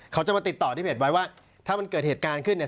เขาจะมาติดต่อที่เพจไว้ว่าถ้ามันเกิดเหตุการณ์ขึ้นเนี่ย